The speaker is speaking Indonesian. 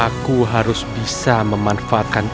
aku harus bisa memanfaatkan